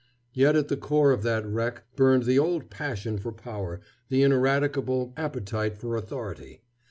Yet at the core of that wreck burned the old passion for power, the ineradicable appetite for authority.